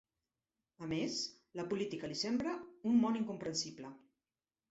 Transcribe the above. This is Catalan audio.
A més, la política li sembla un món incomprensible.